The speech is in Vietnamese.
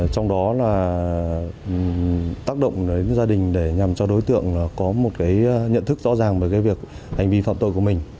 trong đó là tác động gia đình để nhằm cho đối tượng có một nhận thức rõ ràng về việc hành vi phạm tội của mình